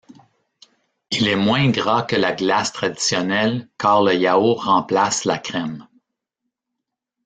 Il est moins gras que la glace traditionnelle car le yaourt remplace la crème.